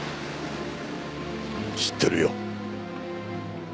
知ってるよ。